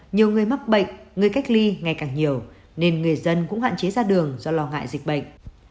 nhiều người mắc bệnh người cách ly ngày càng nhiều nên người dân cũng hạn chế ra đường do lo ngại dịch bệnh